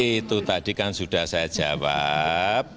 itu tadi kan sudah saya jawab